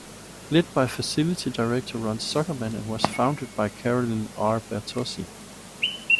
Led by Facility Director Ron Zuckermann and was founded by Carolyn R. Bertozzi.